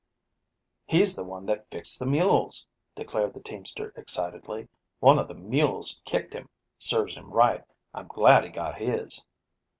"He's the one that fixed the mules," declared the teamster excitedly. "One of the mules killed him. Serves him right. I'm glad he got his."